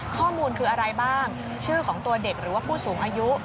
ข้อมูลคืออะไรบ้างชื่อของตัวเด็กหรือว่าผู้สูงอายุ